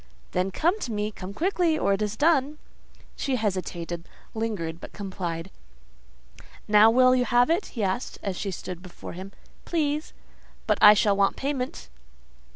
"Then come to me. Come quickly, or it is done." She hesitated, lingered, but complied. "Now, will you have it?" he asked, as she stood before him. "Please." "But I shall want payment."